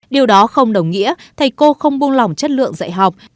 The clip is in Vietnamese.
điều đó không đồng nghĩa thầy cô không buông lỏng chất lượng dạy học